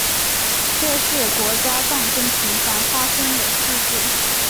这是国家战争频繁发生的世界。